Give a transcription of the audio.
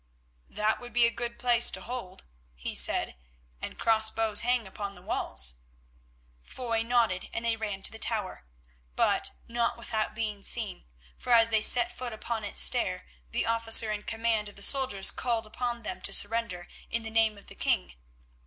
"That would be a good place to hold," he said; "and crossbows hang upon the walls." Foy nodded, and they ran to the tower, but not without being seen, for as they set foot upon its stair, the officer in command of the soldiers called upon them to surrender in the name of the King.